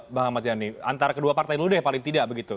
mbak ahmad yanni antara kedua partai lo deh paling tidak begitu